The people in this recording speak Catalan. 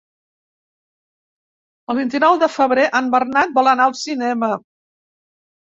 El vint-i-nou de febrer en Bernat vol anar al cinema.